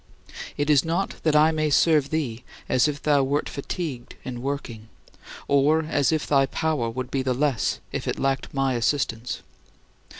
It is not that I may serve thee as if thou wert fatigued in working, or as if thy power would be the less if it lacked my assistance.